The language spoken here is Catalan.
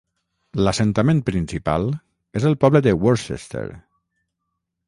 L'assentament principal és el poble de Worcester.